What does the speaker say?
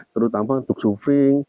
terutama untuk surfing